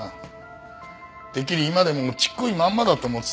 てっきり今でもちっこいまんまだと思ってた。